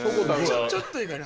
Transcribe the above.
ちょっといいかな？